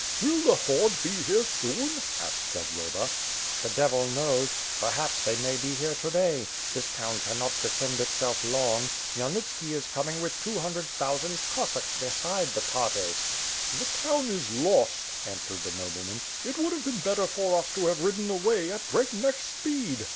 "Will the horde be here soon?" asked Zagloba. "The Devil knows. Perhaps they may be here to day. This town cannot defend itself long. Khmyelnitski is coming with two hundred thousand Cossacks, beside the Tartars." "The town is lost," answered the nobleman. "It would have been better for us to have ridden away at breakneck speed.